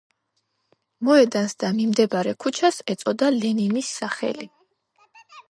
მოედანს და მიმდებარე ქუჩას ეწოდა ლენინის სახელი.